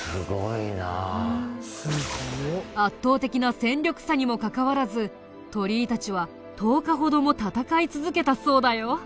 圧倒的な戦力差にもかかわらず鳥居たちは１０日ほども戦い続けたそうだよ。